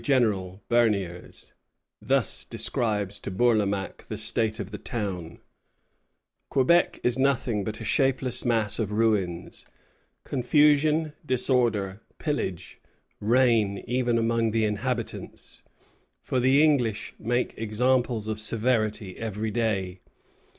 The Commissary General, Berniers, thus describes to Bourlamaque the state of the town: "Quebec is nothing but a shapeless mass of ruins. Confusion, disorder, pillage reign even among the inhabitants, for the English make examples of severity every day.